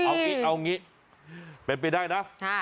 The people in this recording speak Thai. อ๊ะทรึะเอางี้เป็นไปได้นะ